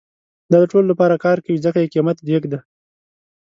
دا د ټولو لپاره کار کوي، ځکه یې قیمت جیګ ده